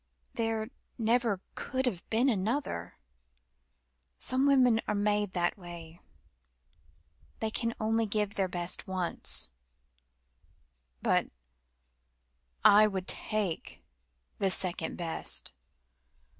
There never could have been another. Some women are made that way. They can only give their best once." "But I would take the second best.